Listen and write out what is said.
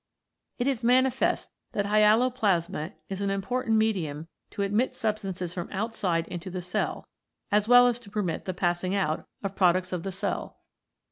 It is manifest that Hyaloplasm is an important medium to admit substances from outside into the cell as well as to permit the passing out of products of the cell.